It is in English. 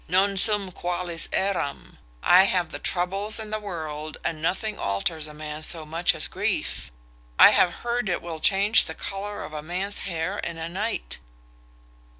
Non sum qualis eram. I have had troubles in the world, and nothing alters a man so much as grief. I have heard it will change the colour of a man's hair in a night.